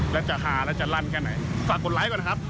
แล้วจะฮาและจะลั่นแค่ไหนฝากกดไลค์ก่อนนะครับ